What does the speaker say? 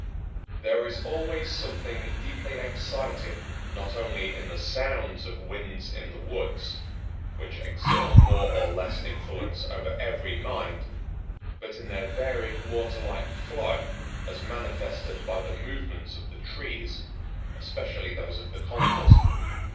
There is always something deeply exciting, not only in the sounds of winds in the woods, which exert more or less influence over every mind, but in their varied waterlike flow as manifested by the movements of the trees, especially those of the conifers.